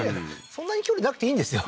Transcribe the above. そんなに距離なくていいんですよ